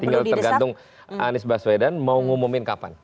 tinggal tergantung anies baswedan mau ngumumin kapan